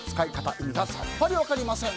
意味がさっぱり分かりません。